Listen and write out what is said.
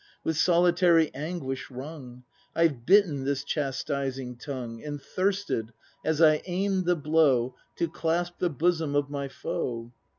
With solitary anguish wrung I've bitten this chastising tongue. And thirsted, as I aim'd the blow. To clasp the bosom of my foe.